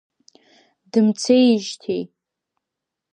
Дымцеижьҭеи!